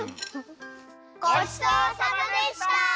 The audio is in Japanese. ごちそうさまでした！